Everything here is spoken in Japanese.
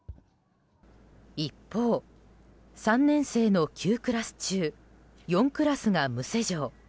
一方、３年生の９クラス中４クラスが無施錠。